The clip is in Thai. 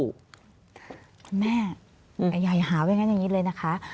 คุณแม่ไอ้ใหญ่หาไว้งั้นอย่างนี้เลยนะคะ